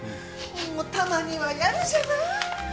もうたまにはやるじゃない！